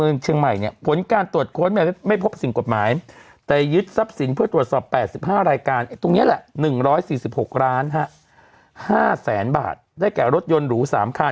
อืมอืมอืมอืมอืมอืมอืมอืมอืมอืมอืมอืมอืม